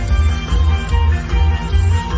มันเป็นเมื่อไหร่แล้ว